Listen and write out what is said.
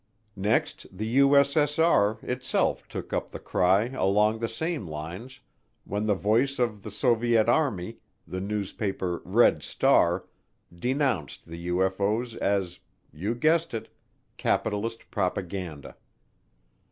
Next the U.S.S.R. itself took up the cry along the same lines when the voice of the Soviet Army, the newspaper Red Star, denounced the UFO's as, you guessed it, capitalist propaganda.